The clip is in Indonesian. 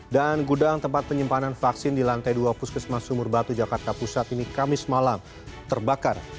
dan gudang tempat penyimpanan vaksin di lantai dua puskesmas sumur batu jakarta pusat ini kamis malam terbakar